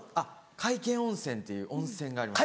皆生温泉っていう温泉があります。